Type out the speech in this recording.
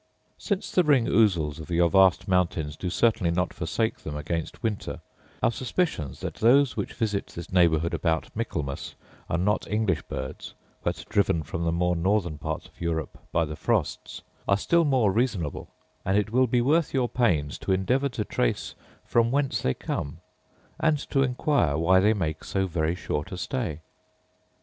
Since the ring ousels of your vast mountains do certainly not forsake them against winter, our suspicions that those which visit this neighbourhood about Michaelmas are not English birds, but driven from the more northern parts of Europe by the frosts, are still more reasonable: and it will be worth your pains to endeavour to trace from whence they come, and to inquire why they make so very short a stay.